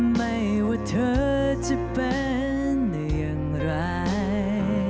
ไม่ว่าเธอจะเป็นอย่างไร